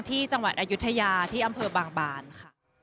ที่จังหวัดอายุทยาที่อำเภอบางบานค่ะ